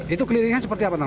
itu kelilingnya seperti apa